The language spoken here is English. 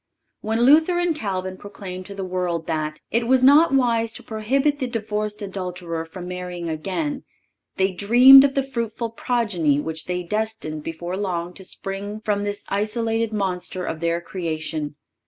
When Luther and Calvin proclaimed to the world that "it was not wise to prohibit the divorced adulterer from marrying again,"(545) they little dreamed of the fruitful progeny which was destined before long to spring from this isolated monster of their creation.